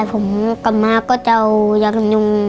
ผมกลับมาก็จะเอายากันยุง